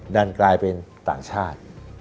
ดันกลายเป็นต่างชาติ